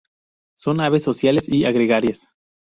Son aves sociales y gregarias.